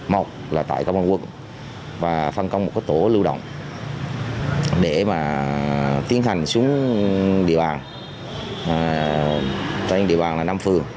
một là tại công an quận và phân công một cái tổ lưu động để mà tiến hành xuống địa bàn